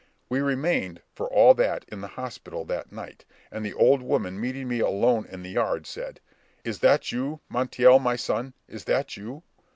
We remained for all that in the hospital that night, and the old woman meeting me alone in the yard, said, "Is that you, Montiel, my son? Is that you?"